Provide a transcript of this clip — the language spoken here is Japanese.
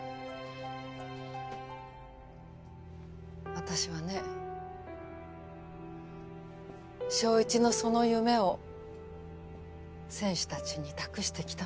私はね翔一のその夢を選手たちに託してきたんです。